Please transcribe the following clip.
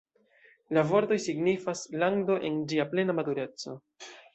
La vortoj signifas "lando en ĝia plena matureco".